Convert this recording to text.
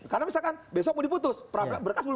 karena misalkan besok mau diputus berkas belum